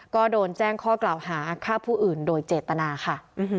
ก็โดนแจ้งข้อกล่าวหาฆ่าผู้อื่นโดยเจตนาค่ะ